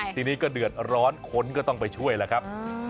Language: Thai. ทีนี้ก็เดือดร้อนคนก็ต้องไปช่วยแล้วครับ